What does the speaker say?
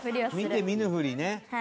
見て見ぬふりね。